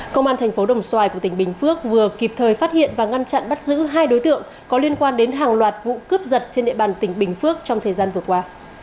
công an thành phố đồng xoài của tỉnh bình phước vừa kịp thời phát hiện và ngăn chặn bắt giữ hai đối tượng có liên quan đến hàng loạt vụ cướp giật trên địa bàn tỉnh bình phước trong thời gian vừa qua